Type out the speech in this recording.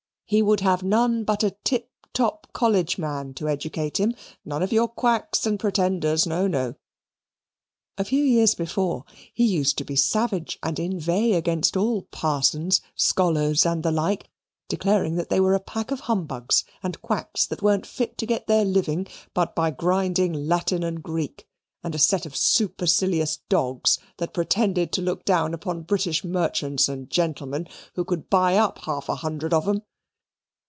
He would have none but a tip top college man to educate him none of your quacks and pretenders no, no. A few years before, he used to be savage, and inveigh against all parsons, scholars, and the like declaring that they were a pack of humbugs, and quacks that weren't fit to get their living but by grinding Latin and Greek, and a set of supercilious dogs that pretended to look down upon British merchants and gentlemen, who could buy up half a hundred of 'em.